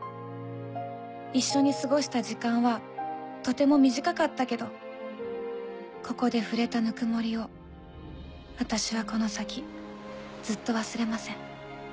一緒に過ごした時間はとても短かったけどここで触れたぬくもりを私はこの先ずっと忘れません。